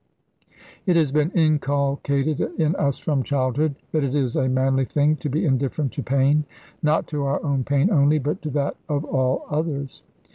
It has been inculcated in us from childhood that it is a manly thing to be indifferent to pain not to our own pain only, but to that of all others.